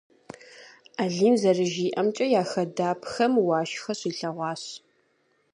Алим зэрыжиӏэмкӏэ, я хадапхэм уашхэ щилъэгъуащ.